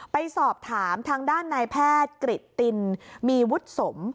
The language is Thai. ไปสอบถามทางด้านนายแพทย์กริตตินมีวุฒิสม